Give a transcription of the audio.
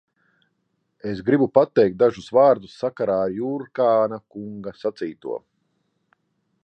Es gribu pateikt dažus vārdus sakarā ar Jurkāna kunga sacīto.